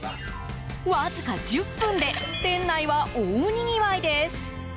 わずか１０分で店内は大にぎわいです。